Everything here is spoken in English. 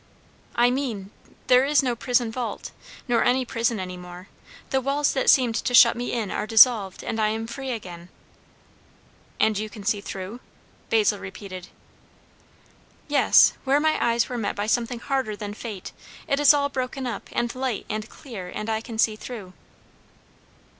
"I mean, there is no prison vault, nor any prison any more; the walls that seemed to shut me in are dissolved, and I am free again." "And you can see through?" Basil repeated. "Yes. Where my eyes were met by something harder than fate, it is all broken up, and light, and clear, and I can see through."